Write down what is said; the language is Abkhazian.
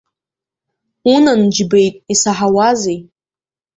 Унан, џьбеит, исаҳауазеи!